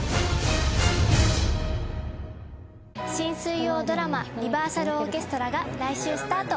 新水曜ドラマ『リバーサルオーケストラ』が来週スタート！